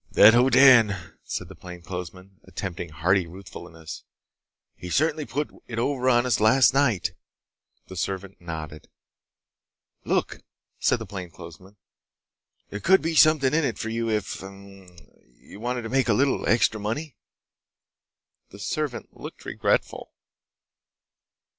"That Hoddan," said the plainclothesman, attempting hearty ruefulness, "he certainly put it over on us last night!" The servant nodded. "Look," said the plainclothesman, "there could be something in it for you if you ... hm m m ... wanted to make a little extra money." The servant looked regretful.